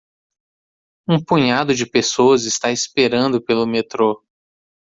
Um punhado de pessoas está esperando pelo metrô.